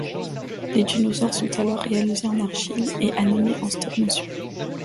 Les dinosaures sont alors réalisés en argile, et animés en stop-motion.